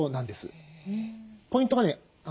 ポイントがね